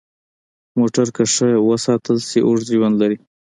موټر که ښه ساتل شي، اوږد ژوند لري.